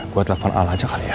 gue telepon al aja kali ya